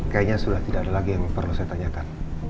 kayaknya sudah tidak ada lagi yang perlu saya tanyakan